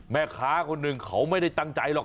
แม่ค้าคนหนึ่งเขาไม่ได้ตั้งใจหรอก